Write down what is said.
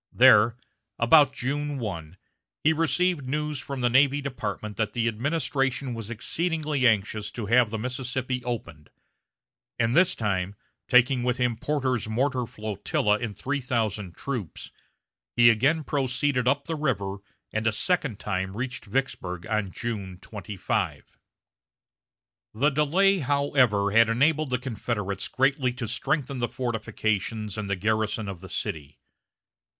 There, about June 1, he received news from the Navy Department that the administration was exceedingly anxious to have the Mississippi opened; and this time, taking with him Porter's mortar flotilla and three thousand troops, he again proceeded up the river, and a second time reached Vicksburg on June 25. The delay, however, had enabled the Confederates greatly to strengthen the fortifications and the garrison of the city.